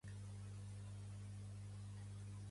Però calça't bé per anar al bosc, dona!